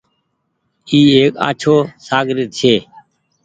اي ايڪ آڇو ساگرد ڇي۔